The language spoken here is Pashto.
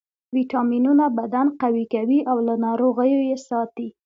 ویټامینونه بدن قوي کوي او له ناروغیو یې ساتي